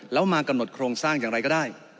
แล้วมากำหนดโครงสร้างอย่างไรก็ได้